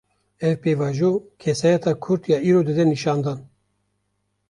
Ev pêvajo, kesayeta Kurd ya îro dide nîşandan